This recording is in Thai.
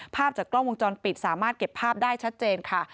ภาพจากกล้องวงจรปิดสามารถเก็บภาพได้ชัดเจนค่ะ